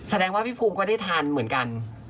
แสดงว่าพี่ภูมิก็ได้ทานเหมือนกัน